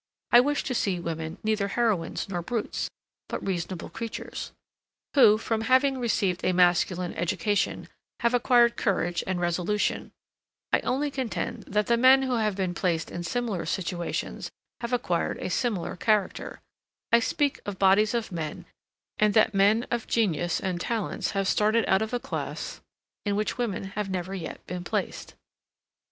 I wish to see women neither heroines nor brutes; but reasonable creatures.) who, from having received a masculine education, have acquired courage and resolution; I only contend that the men who have been placed in similar situations have acquired a similar character, I speak of bodies of men, and that men of genius and talents have started out of a class, in which women have never yet been placed.